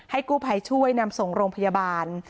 กู้ภัยช่วยนำส่งโรงพยาบาล